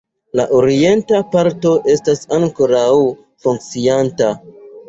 La orienta parto estas ankoraŭ funkcianta.